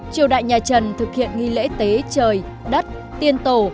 triều đại nhà trần thực hiện nghi lễ tế trời đất tiên tổ